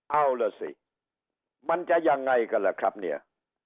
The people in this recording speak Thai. เอาล่ะสิมันจะยังไงกันล่ะครับเนี่ย